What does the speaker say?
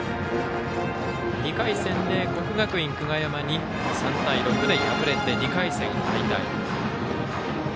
２回戦に国学院久我山に３対６で破れて２回戦敗退。